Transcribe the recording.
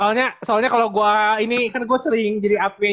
ini soalnya kalau gue ini kan gue sering jadi ap nya tiga